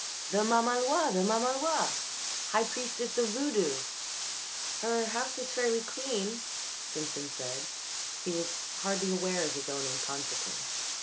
"The mamaloi the mamaloi high priestess of voodoo." "Her house is fairly clean," Simpson said. He was hardly aware of his own inconsequence.